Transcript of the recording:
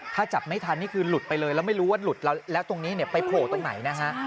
ถ้าจับไม่ทันนี่คือหลุดไปเลยแล้วไม่รู้ว่าหลุดแล้วตรงนี้เนี่ยไปโผล่ตรงไหนนะฮะ